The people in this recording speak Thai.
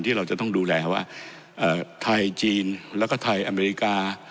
ที่เราจะต้องดูแลว่าไทยจีนแล้วก็ไทยอเมริกา